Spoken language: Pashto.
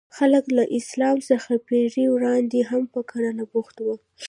خلک له اسلام څخه پېړۍ وړاندې هم په کرنه بوخت وو.